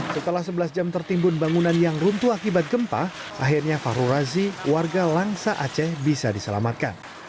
setelah sebelas jam tertimbun bangunan yang runtuh akibat gempa akhirnya fahru razi warga langsa aceh bisa diselamatkan